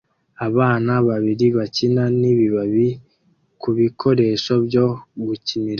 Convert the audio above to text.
Abana babiri bakina nibibabi kubikoresho byo gukiniraho